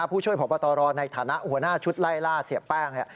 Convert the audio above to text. ผู้ช่วยพบตรในฐานะหัวหน้าชุดไล่ล่าเสียแป้ง